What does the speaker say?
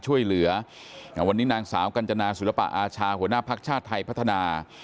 ช่วยเหลือวันนี้นางสาวกัญจนาศิลปะอาชาหัวหน้าภักดิ์ชาติไทยพัฒนา